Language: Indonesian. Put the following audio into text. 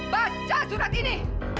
baca surat ini